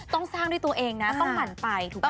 ต้องสร้างด้วยตัวเองนะต้องหั่นไปถูกป่